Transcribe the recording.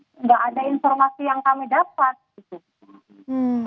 karena gak ada informasi yang kami dapat gitu